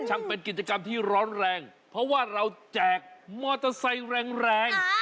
เป็นกิจกรรมที่ร้อนแรงเพราะว่าเราแจกมอเตอร์ไซค์แรงแรง